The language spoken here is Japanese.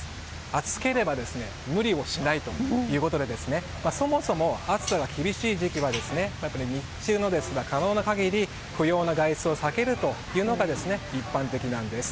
暑ければ無理をしないということでそもそも暑さが厳しい時期は日中の可能な限り不要な外出を避けるというのが一般的なんです。